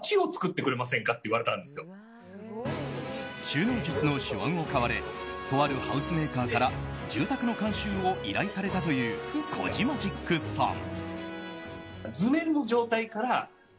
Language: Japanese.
収納術の手腕を買われとあるハウスメーカーから住宅の監修を依頼されたというコジマジックさん。